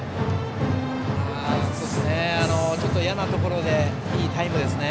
ちょっと嫌なところでいいタイムですね。